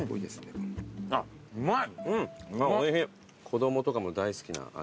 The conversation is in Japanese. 子供とかも大好きな味。